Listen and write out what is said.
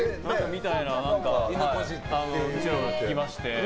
みたいなことを聞きまして。